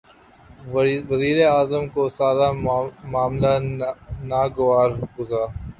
وزیر اعظم کو سارا معاملہ ناگوار گزرا۔